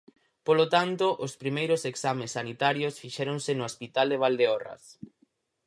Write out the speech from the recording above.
Polo tanto, os primeiros exames sanitarios fixéronse no Hospital de Valdeorras.